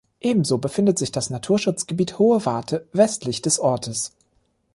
Ebenso befindet sich das Naturschutzgebiet Hohe Warte westlich des Ortes.